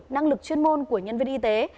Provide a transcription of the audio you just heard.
năng lực chuyên môn của nhân viên y tế